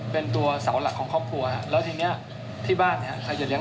พี่จะไปจากบ้านคนเดียว